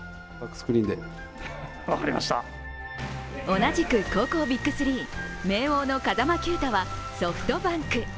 同じく高校ビッグ３、明桜の風間球打はソフトバンク。